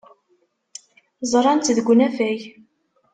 Ẓran-tt deg unafag.